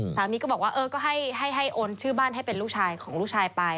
สามีก็บอกว่าเออก็ให้โอนชื่อบ้านให้เป็นลูกชายของลูกชายไป